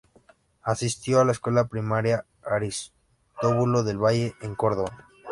Asistió a la escuela primaria Aristóbulo del Valle en Córdoba.